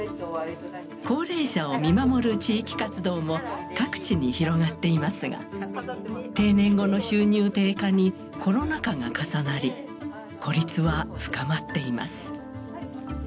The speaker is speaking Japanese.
高齢者を見守る地域活動も各地に広がっていますが定年後の収入低下にコロナ禍が重なり孤立は深まっています。